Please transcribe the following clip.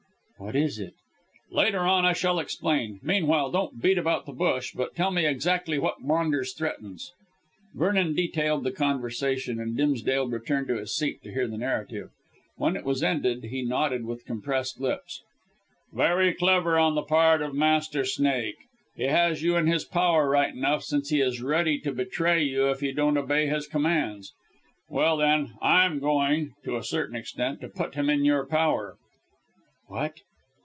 "What is it?" "Later on I shall explain. Meanwhile, don't beat about the bush, but tell me exactly what Maunders threatens." Vernon detailed the conversation, and Dimsdale returned to his seat to hear the narrative. When it was ended he nodded with compressed lips. "Very clever on the part of Master Snake. He has you in his power right enough, since he is ready to betray you if you don't obey his commands. Well, then, I am going to a certain extent to put him in your power." "What?